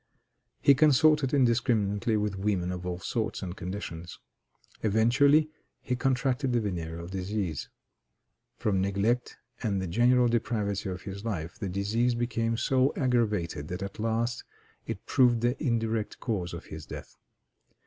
He consorted indiscriminately with women of all sorts and conditions. Eventually he contracted the venereal disease. From neglect, and the general depravity of his life, the disease became so aggravated that at last it proved the indirect cause of his death.